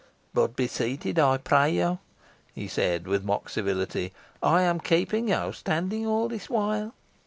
But be seated, I pray you," he said, with mock civility. "I am keeping you standing all this while."